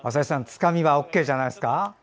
つかみはＯＫじゃないですか？